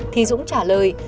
thì dũng trả lời